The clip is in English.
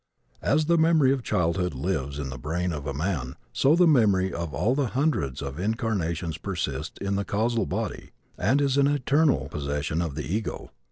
As the memory of childhood lives in the brain of the man, so the memory of all the hundreds of incarnations persists in the causal body and is an eternal possession of the ego.